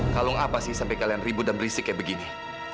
kalung apa sih sampai kalian ribut dan berisik kayak begini